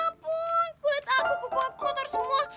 ya ampun kulit aku kukuh kukuh kotor semua